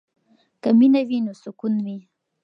که مینه وي نو سکون وي.